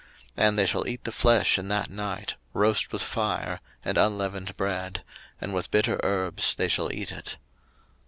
02:012:008 And they shall eat the flesh in that night, roast with fire, and unleavened bread; and with bitter herbs they shall eat it.